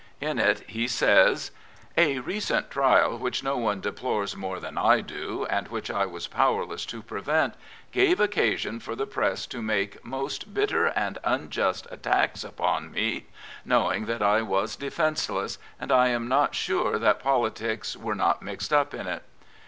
In it he says: A recent trial which no one d^lores more than I do, and which 1 was powerless to prevent, gave occasion lor the Press to make most bitter and unjust attacks upon me, II Prophets, Priests, and Kings knowing that 1 was defenceless, and I am not sure that politics were not mixed up in it!